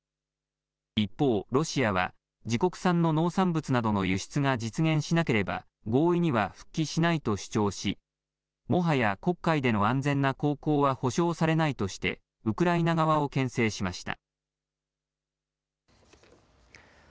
一方、ロシアは自国産の農産物などの輸出が実現しなければ合意には復帰しないと主張しもはや黒海での安全な航行は保証されないとしてウクライナ側をけん制しました。